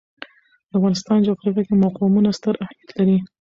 د افغانستان جغرافیه کې قومونه ستر اهمیت لري.